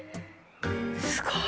すごい。